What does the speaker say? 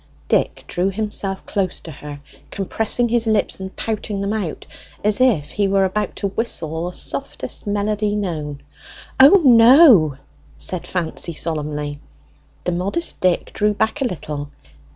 Dick drew himself close to her, compressing his lips and pouting them out, as if he were about to whistle the softest melody known. "O no!" said Fancy solemnly. The modest Dick drew back a little.